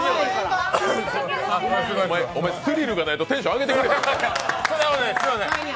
お前、スリルがないとテンション上げられないんか。